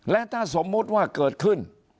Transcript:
และถ้าสมมุติว่าเกิดขึ้น